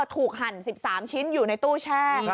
หั่น๑๓ชิ้นอยู่ในตู้แช่